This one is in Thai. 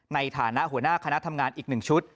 ในฐานะหัวหน้าคณะทำงานอีก๑ชุด